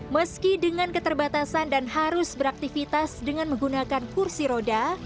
meski dengan keterbatasan dan harus beraktivitas dengan menggunakan kursi roda